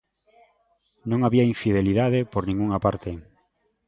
Non había infidelidade por ningunha parte.